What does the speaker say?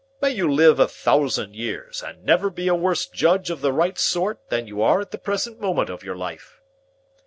May you live a thousand years, and never be a worse judge of the right sort than you are at the present moment of your life!"